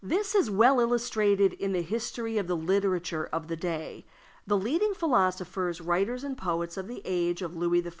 This is well illustrated in the history of the literature of the day. The leading philosophers, writers, and poets of the age of Louis XIV.